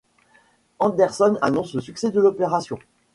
Anderson annonce le succès de l’opération.